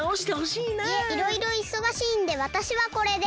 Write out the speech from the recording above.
いえいろいろいそがしいんでわたしはこれで。